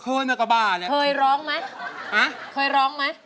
เคยมันก็ว่าแหละเคยร้องไหมเอ้าเคยร้องไหม